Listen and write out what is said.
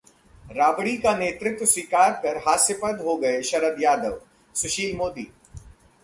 राबड़ी का नेतृत्व स्वीकार कर हास्यास्पद हो गए हैं शरद यादव: सुशील मोदी